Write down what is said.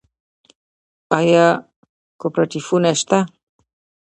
آیا کوپراتیفونه شته؟